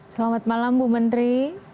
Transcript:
selamat malam bu menteri